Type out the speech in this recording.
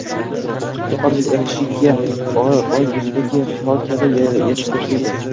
Bu qobiliyat ayol kishiga – oy yuzidagi xol kabi – yarashiqlidir.